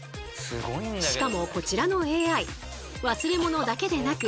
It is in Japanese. しかもこちらのＡＩ忘れ物だけでなく